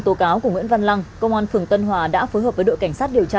tôi này là bị phạt bốn triệu